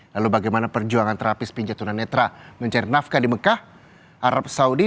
lalu bagaimana perjuangan terapis pinja tunanetra mencari nafkah di mekah arab saudi